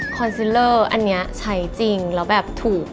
ซิลเลอร์อันนี้ใช้จริงแล้วแบบถูก